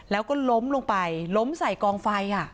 แล้วก็ล้มลงไปล้มใส่กองไฟ